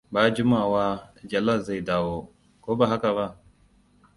Ba jimawa Jalal zai dawo, ko ba haka ba?